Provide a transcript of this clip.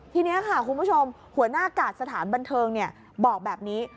ทีนี้ค่ะคุณผู้ชมหัวหน้ากาศสถานบันเทิงบอกแบบนี้